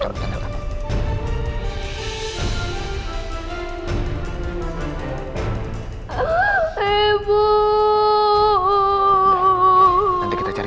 cepat berhenti mereka atau untuk berjalan